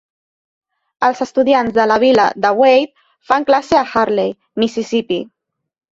Els estudiants de la vila de Wade fan classe a Hurley, Mississipí.